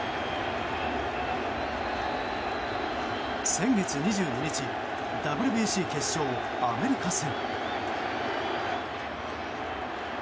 先月２２日ＷＢＣ決勝アメリカ戦。